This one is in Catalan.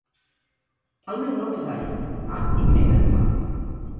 El meu nom és Aya: a, i grega, a.